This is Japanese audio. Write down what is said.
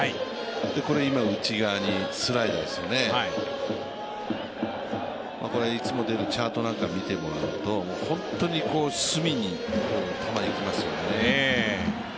これ今、内側にスライダーですよねこれいつも出るチャートなんかを見ても本当に隅に球がいきますよね。